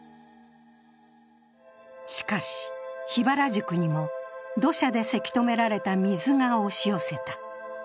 しかし、桧原宿にも土砂でせき止められた水が押し寄せた。